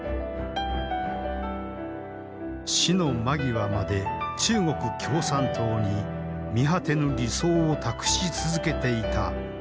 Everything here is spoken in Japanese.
死の間際まで中国共産党に見果てぬ理想を託し続けていた李鋭。